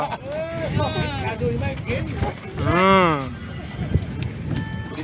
อื้อ